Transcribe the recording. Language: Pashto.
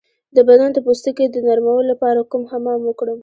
د بدن د پوستکي د نرمولو لپاره کوم حمام وکړم؟